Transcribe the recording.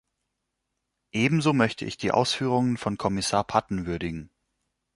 Ebenso möchte ich die Ausführungen von Kommissar Patten würdigen.